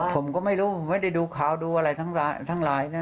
ผมก็ไม่รู้ไม่ได้ดูข่าวดูอะไรทั้งหลายนะ